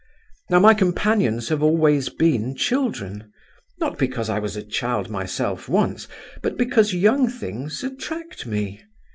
Now my companions have always been children, not because I was a child myself once, but because young things attract me.